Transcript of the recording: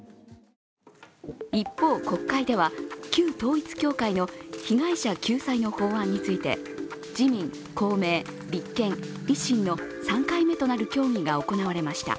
一方、国会では、旧統一教会の被害者救済の法案について自民、公明、立憲、維新の３回目となる協議が行われました。